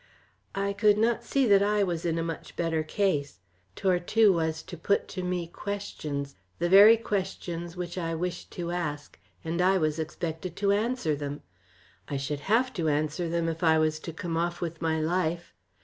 I could not see that I was in a much better case. Tortue was to put to me questions, the very questions which I wished to ask, and I was expected to answer them. I should have to answer them if I was to come off with my life.